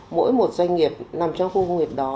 mỗi một doanh nghiệp nằm trong khu công nghiệp đó